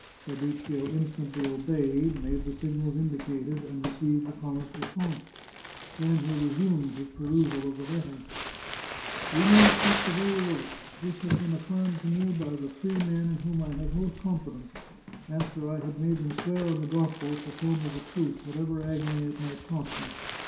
Fabrizio instantly obeyed, made the signals indicated^ and received the promised response. Then he resumed his perusal of the letter. " We may expect the very worst. This has been affirmed to me by the three men in whom I have most confidence, 372 The Chartreuse of Parma after I had made them swear on the Gospels to tell me the truth, whatever agony it might cost me.